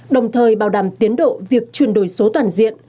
đồng thời bảo đảm tiến độ việc chuyển đổi số toàn diện